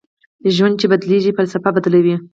ژوند چې بدلېږي فلسفه بدلوي